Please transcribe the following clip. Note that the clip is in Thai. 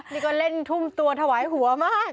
นี่ก็เล่นทุ่มตัวถวายหัวมาก